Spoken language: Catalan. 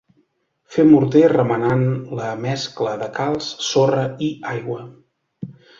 Fer morter remenant la mescla de calç, sorra i aigua.